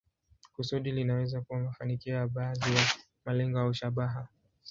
Kusudi linaweza kuwa mafanikio ya baadhi ya malengo au shabaha.